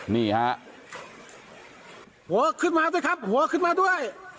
นี่ฮะหัวขึ้นมาด้วยครับหัวขึ้นมาด้วย